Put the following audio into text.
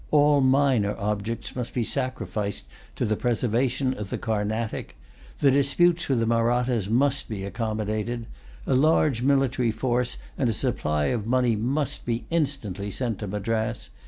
All minor objects must be sacrificed to the preservation of the Carnatic. The disputes with the Mahrattas must be accommodated. A large military force and a supply of money must be instantly sent to Madras.